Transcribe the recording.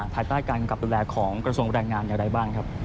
ถาดต้ายการเก็บตรวจแรกของกระทรวงบรรยายงานอย่างไรบ้างครับ